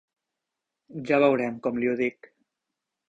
Ja veurem com li ho dic.